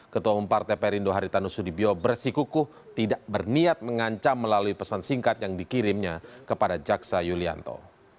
ketua umum partai perindo haritanu sudibyo bersikukuh tidak berniat mengancam melalui pesan singkat yang dikirimnya kepada jaksa yulianto